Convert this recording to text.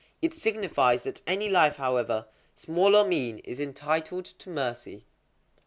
It signifies that any life, however small or mean, is entitled to mercy.